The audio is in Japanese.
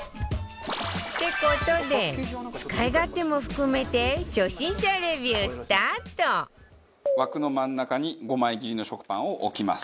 って事で使い勝手も含めて初心者レビュースタート枠の真ん中に５枚切りの食パンを置きます。